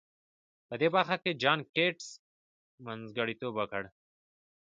په دې برخه کې جان ګيټس منځګړيتوب وکړ.